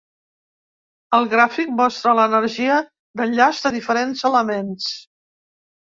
El gràfic mostra l'energia d'enllaç de diferents elements.